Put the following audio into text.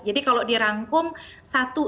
jadi kalau dirangkum satu